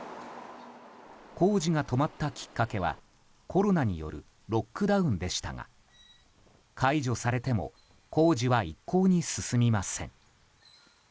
工事が止まったきっかけはコロナによるロックダウンでしたが解除されても工事は一向に進みません。